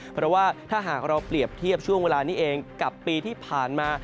เพราะว่าถ้าหากเราเปรียบเทียบช่วงเวลานี้เองกับปีที่ผ่านมา